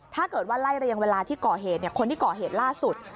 ถ้าเกิดว่าไล่เรียงเวลาที่ก่อเหตุคนที่ก่อเหตุล่าสุด